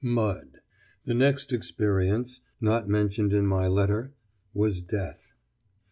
Mud. The next experience (not mentioned in my letter) was Death.